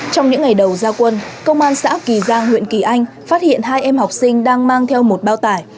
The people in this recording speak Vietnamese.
trong những ngày đầu gia quân công an xã kỳ giang huyện kỳ anh phát hiện hai em học sinh đang mang theo một bao tải